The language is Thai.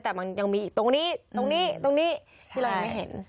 แต่มันยังมีอีกตรงนี้ตรงนี้ตรงนี้ที่เรายังไม่เห็น